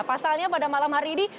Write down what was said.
pasalnya pada malam hari ini